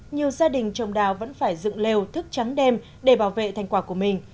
nhiều gia đình trồng đào vẫn phải dựng lều thức trắng đêm để bảo vệ thành quả của mình